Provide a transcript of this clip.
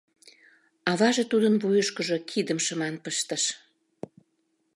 Аваже тудын вуйышкыжо кидым шыман пыштыш.